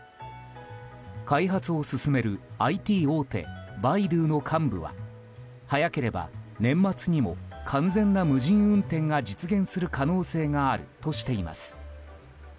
開発を進めるＩＴ大手バイドゥの幹部は早ければ、年末にも完全な無人運転が実現する可能性があるとしています。